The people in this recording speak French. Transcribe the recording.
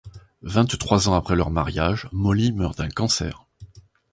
Vingt-trois ans après leur mariage, Molly meurt d'un cancer.